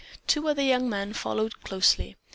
Two other young men followed closely.